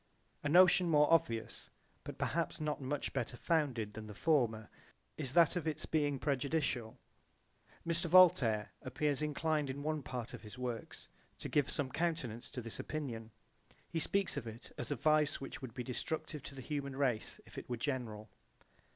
A notion more obvious, but perhaps not much better founded than the former is that of its being prejudicial to population. Mr. Voltaire appears inclined in one part of his works to give some countenance to this opinion. He speaks of it as a vice which would be destructive to the human race if it were general.